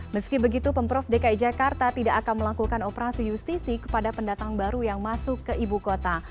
meski begitu pemprov dki jakarta tidak akan melakukan operasi justisi kepada pendatang baru yang masuk ke ibu kota